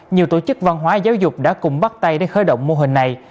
nhiều tổ chức văn hóa giáo dục đã cùng bắt tay để khởi động mô hình này